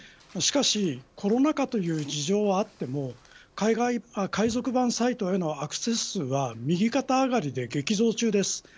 しかしコロナ禍という事情はあっても海賊版サイトへのアクセス数は右肩上がりで激増中です。